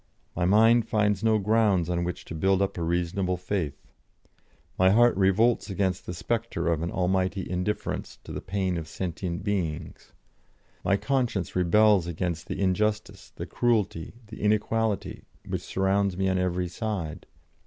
My mind finds no grounds on which to build up a reasonable faith. My heart revolts against the spectre of an Almighty Indifference to the pain of sentient beings. My conscience rebels against the injustice, the cruelty, the inequality, which surround me on every side.